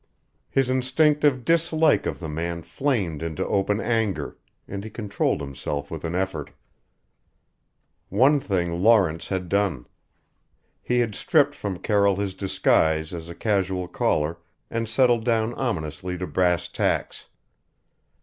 His instinctive dislike of the man flamed into open anger and he controlled himself with an effort. One thing Lawrence had done: he had stripped from Carroll his disguise as a casual caller and settled down ominously to brass tacks.